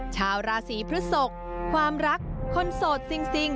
ชาวราศีพฤศกความรักคนโสดจริง